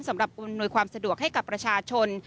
อำนวยความสะดวกให้กับประชาชน